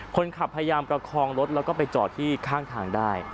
พยายามประคองรถแล้วก็ไปจอดที่ข้างทางได้